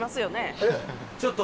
ちょっと。